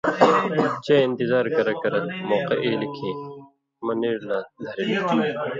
چےۡ انتظار کرہ کرہ موقع ایلیۡ کھیں مہ نیڙہۡ لا دھرِلوۡ۔